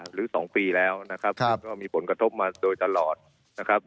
หรือ๒ปีแล้วนะครับซึ่งก็มีผลกระทบมาโดยตลอดนะครับ